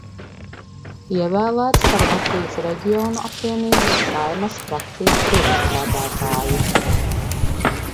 Ievēlēts par Latvijas Reģionu apvienības Saeimas frakcijas priekšsēdētāju.